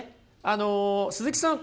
あの鈴木さん